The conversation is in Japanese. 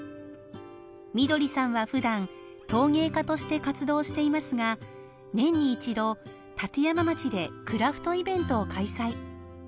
みどりさんは普段陶芸家として活動していますが年に１度立山町でクラフトイベントを開催。